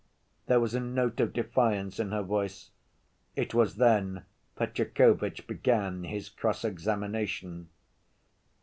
There was a note of defiance in her voice. It was then Fetyukovitch began his cross‐examination.